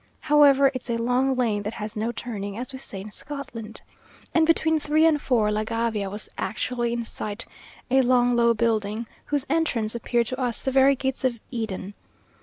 However, "it's a long lane that has no turning," as we say in Scotland; and between three and four, La Gabia was actually in sight; a long, low building, whose entrance appeared to us the very gates of Eden.